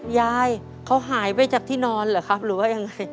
ยายเขาหายไปจากที่นอนเหรอครับหรือว่ายังไง